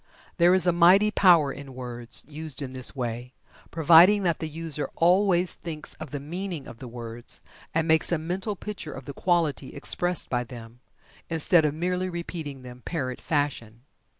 There is a mighty power in words, used in this way, providing that the user always thinks of the meaning of the words, and makes a mental picture of the quality expressed by them, instead of merely repeating them parrot fashion.